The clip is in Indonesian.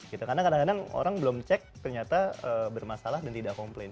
karena kadang kadang orang belum cek ternyata bermasalah dan tidak komplain